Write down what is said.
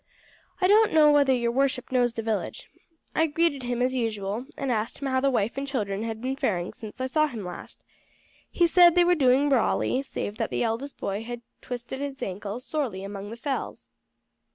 I don't know whether your worship knows the village. I greeted him as usual, and asked him how the wife and children had been faring since I saw him last. He said they were doing brawly, save that the eldest boy had twisted his ankle sorely among the fells."